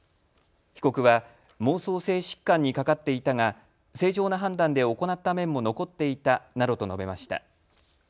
被告は妄想性疾患にかかっていたが正常な判断で行った面も残っていたなどと述べました。